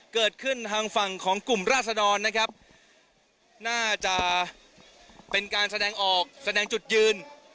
ทางฝั่งของกลุ่มราศดรนะครับน่าจะเป็นการแสดงออกแสดงจุดยืน